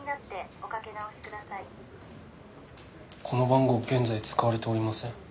この番号現在使われておりません。